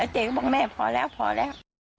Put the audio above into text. เจ๊ก็บอกแม่พอแล้วพอแล้ว